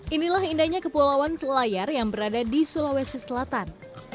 inilah indahnya kepulauan selayar yang berada di sulawesi selatan